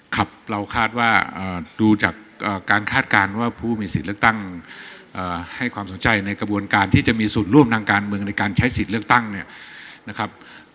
ครับเราคาดว่าดูจากการคาดการณ์ว่าผู้มีสิทธิ์เลือกตั้งให้ความสนใจในกระบวนการที่จะมีส่วนร่วมทางการเมืองในการใช้สิทธิ์เลือกตั้งเนี่ยนะครับ